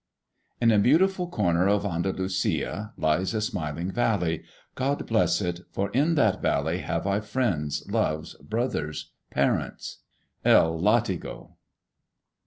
In a beautiful corner of Andalusia Lies a smiling valley. God bless it! For in that valley Have I friends, loves, Brothers, parents. (_El Látigo.